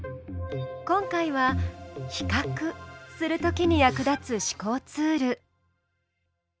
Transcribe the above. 今回は比較するときに役立つ思考ツール。